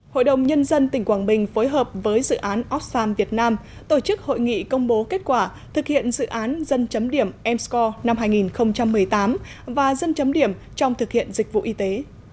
hội đồng nhân dân tỉnh quảng bình phối hợp với dự án oxfam việt nam tổ chức hội nghị công bố kết quả thực hiện dự án dân chấm điểm m score năm hai nghìn một mươi tám và dân chấm điểm trong thực hiện dịch vụ y tế